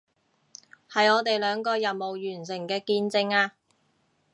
係我哋兩個任務完成嘅見證啊